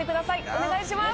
お願いします！